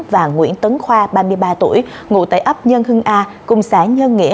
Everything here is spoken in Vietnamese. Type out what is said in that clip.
và nguyễn tấn khoa ba mươi ba tuổi ngụ tài ấp nhân hưng a cung xã nhân nghĩa